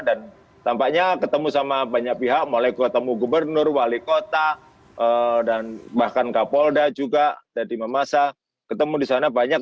dan tampaknya ketemu sama banyak pihak mulai ketemu gubernur wali kota dan bahkan kapolda juga dari memasa ketemu di sana banyak